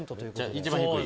一番低い。